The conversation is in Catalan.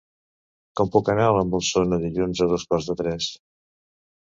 Com puc anar a la Molsosa dilluns a dos quarts de tres?